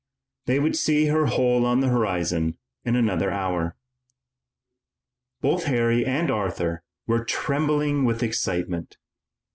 They would see her hull on the horizon in another hour. Both Harry and Arthur were trembling with excitement.